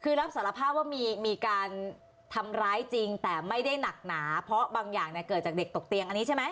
คือรับสารภาพว่ามีการทำร้ายจริงแต่ไม่ได้หนักหนาเพราะบางอย่างเนี่ยเกิดจากเด็กตกเตียงอันนี้ใช่ไหม